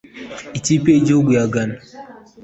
ikipe y’igihugu ya Ghana